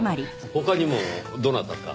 他にもどなたか？